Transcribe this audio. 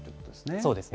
そうですね。